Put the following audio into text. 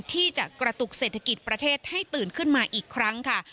ที่จะกระตุกเศรษฐกิจประเทศให้ตื่นขึ้นมาอีกครั้งค่ะ